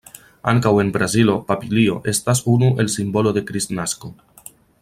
Ankaŭ en Brazilo papilio estas unu el simbolo de kristnasko.